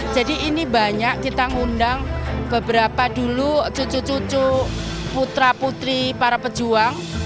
jadi ini banyak kita ngundang beberapa dulu cucu cucu putra putri para pejuang